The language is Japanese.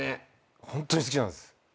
ホントに好きなんです。